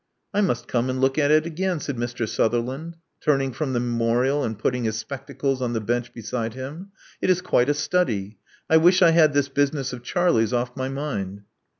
I must come and look at it again," said Mr. Suth erland, turning from the memorial, and putting his spectacles on the bench beside him. It is quite a study. I wish I had this business of Charlie's off my mind."